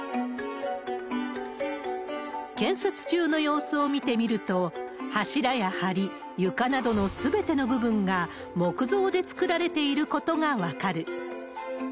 建設中の様子を見てみると、柱やはり、床などのすべての部分が木造で作られていることが分かる。